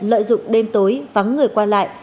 lợi dụng đêm tối vắng người qua lại